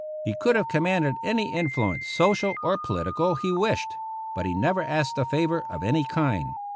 He could have commanded any influence, social or political, he wished ; but he never asked a favor of any kind.